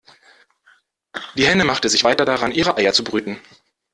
Die Henne machte sich weiter daran, ihre Eier zu brüten.